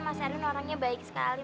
mas erwin orangnya baik sekali